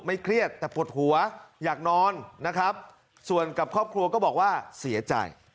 เครียดแต่ปวดหัวอยากนอนนะครับส่วนกับครอบครัวก็บอกว่าเสียใจ